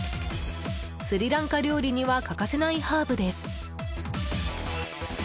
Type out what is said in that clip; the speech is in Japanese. スリランカ料理には欠かせないハーブです。